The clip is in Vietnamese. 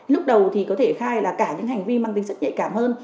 lúc đầu có thể khai là cả những hành vi mang tính chất nhạy cảm hơn